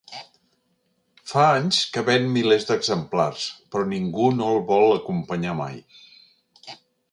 Fa anys que ven milers d'exemplars, però ningú no el vol acompanyar mai.